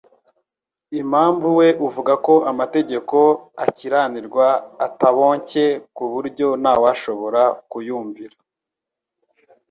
impamvu we uvuga ko amategeko akiranirwa ataboncye, ku buryo ntawashobora kuyumvira.